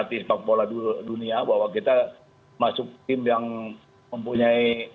dan ini diakui mas iqbal oleh pemerhati sepak bola dunia bahwa kita masuk tim yang mempunyai